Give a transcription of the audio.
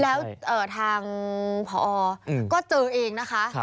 แล้วทางผอก็เจอเองนะคะ